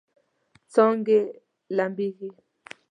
څانګې لمبیږي